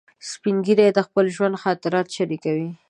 سپین ږیری د خپل ژوند خاطرات شریکوي